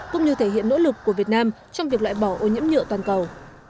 cũng như thể hiện nỗ lực của việt nam trong việc loại bỏ ô nhiễm nhựa toàn cầu